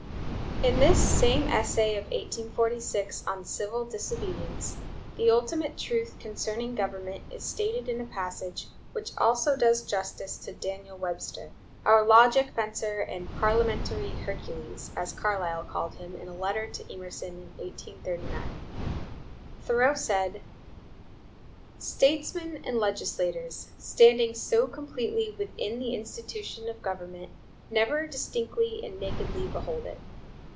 In this same essay of 1846, on "Civil Disobedience," the ultimate truth concerning government is stated in a passage which also does justice to Daniel Webster, our "logic fencer and parliamentary Hercules," as Carlyle called him in a letter to Emerson in 1839. Thoreau said: "Statesmen and legislators, standing so completely within the institution (of government) never distinctly and nakedly behold it.